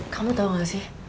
kamu tau gak sih